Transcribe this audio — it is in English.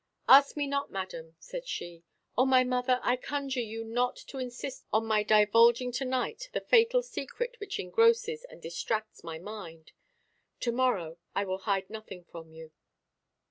"Ask me not, madam," said she; "O my mother, I conjure you not to insist on my divulging to night the fatal secret which engrosses and distracts my mind; to morrow I will hide nothing from you."